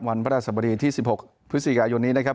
วันพระราชสบดีที่๑๖พฤศจิกายนนี้นะครับ